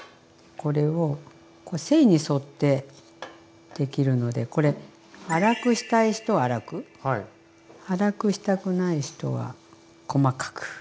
これをこれ繊維に沿ってできるのでこれ粗くしたい人は粗く粗くしたくない人は細かく。